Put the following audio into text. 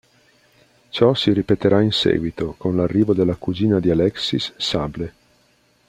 Ciò si ripeterà in seguito, con l'arrivo della cugina di Alexis, Sable.